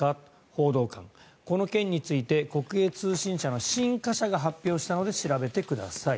報道官、この件について国営通信社の新華社が発表したので調べてください。